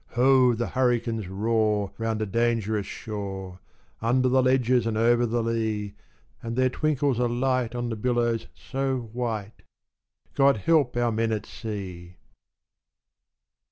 Ho! the hurricanes roar round a dangerous shore, Under the ledges and over the lea; And there twinkles a light on the billows so white God help our men at sea!